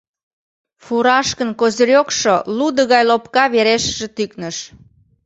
Фуражкын козырёкшо лудо гай лопка верешыже тӱкныш.